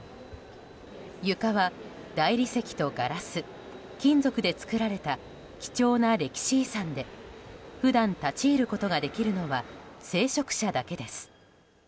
床は大理石とガラス金属で作られた貴重な歴史遺産で普段、立ち入ることができるのは聖職者だけです。